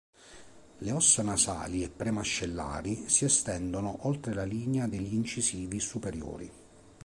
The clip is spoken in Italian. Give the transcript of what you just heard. Le ossa nasali e pre-mascellari si estendono oltre la linea degli incisivi superiori.